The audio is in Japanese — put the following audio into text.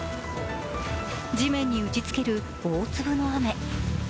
地面に打ちつける大粒の雨。